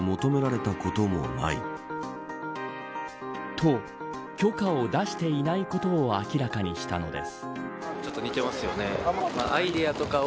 と、許可を出していないことを明らかにしたのです。